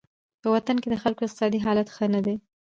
په وطن کې د خلکو اقتصادي حالت ښه نه دی.